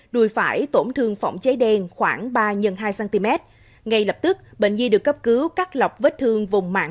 đuôi pháo chân và đuôi pháo chân